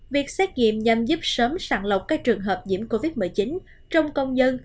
việc xét nghiệm nhằm giúp sớm sẵn lộc các trường hợp diễm covid một mươi chín trong công nhân